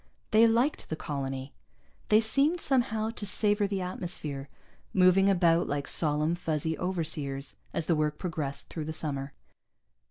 They liked the colony. They seemed, somehow, to savor the atmosphere, moving about like solemn, fuzzy overseers as the work progressed through the summer.